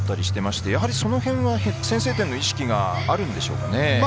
その辺先制点の意識があるんでしょうか。